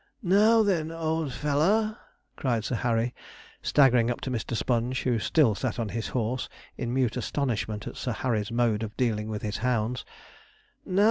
'Now, then, old feller,' cried Sir Harry, staggering up to Mr. Sponge, who still sat on his horse, in mute astonishment at Sir Harry's mode of dealing with his hounds.